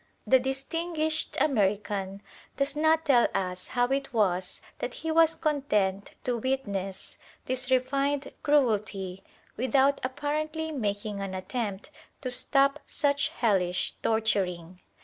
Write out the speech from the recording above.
The distinguished American does not tell us how it was that he was content to witness "this refined cruelty" without apparently making an attempt to stop such hellish torturing.